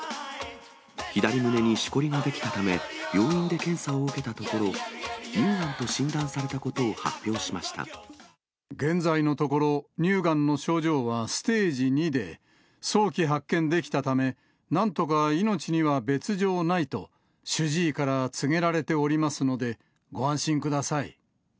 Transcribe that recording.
左胸にしこりが出来たため、病院で検査を受けたところ、乳がんと診断されたことを発表し現在のところ、乳がんの症状はステージ２で、早期発見できたため、なんとか命には別状ないと、主治医から告げられておりますので、ご安心ください。